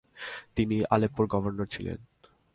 তিনি আলেপ্পোর গভর্নর ছিলেন।